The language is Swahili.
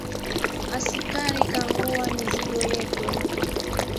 Asikari kankagua mizigo yetu